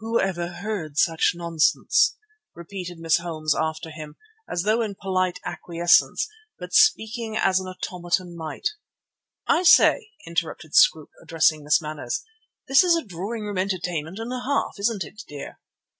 "Whoever heard such nonsense?" repeated Miss Holmes after him, as though in polite acquiescence, but speaking as an automaton might speak. "I say," interrupted Scroope, addressing Miss Manners, "this is a drawing room entertainment and a half, isn't it, dear?"